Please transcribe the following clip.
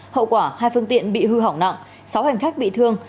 hậu quả hai phương tiện bị hư hỏng nặng sáu hành khách bị thương